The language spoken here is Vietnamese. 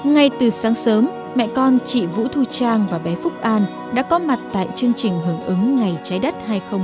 ngay từ sáng sớm mẹ con chị vũ thu trang và bé phúc an đã có mặt tại chương trình hưởng ứng ngày trái đất